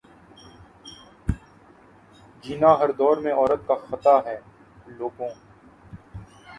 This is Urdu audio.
جینا ہر دور میں عورت کا خطا ہے لوگو